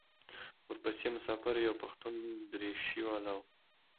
ورپسې مسافر یو پښتون درېشي والا و.